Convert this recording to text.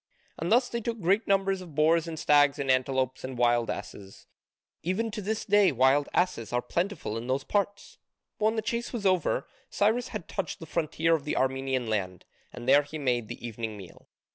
And thus they took great numbers of boars and stags and antelopes and wild asses: even to this day wild asses are plentiful in those parts. But when the chase was over, Cyrus had touched the frontier of the Armenian land, and there he made the evening meal.